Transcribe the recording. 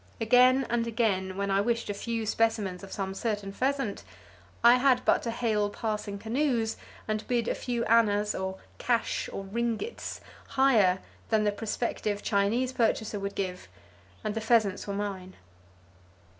Again and again when I wished a few specimens of some certain pheasant I had but to hail passing canoes and bid a few annas or "cash" or "ringits" higher than the prospective Chinese purchaser would give, and the pheasants were mine.